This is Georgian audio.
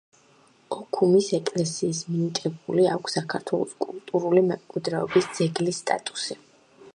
ოქუმის ეკლესიას მინიჭებული აქვს საქართველოს კულტურული მემკვიდრეობის ძეგლის სტატუსი.